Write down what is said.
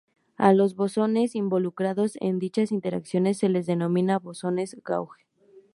A los bosones involucrados en dichas interacciones se les denomina bosones gauge.